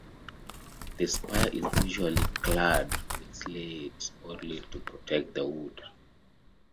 The spire is usually clad with slates or lead to protect the wood.